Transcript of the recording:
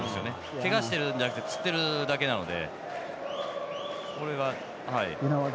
けがしてるんじゃなくてつってるだけなので。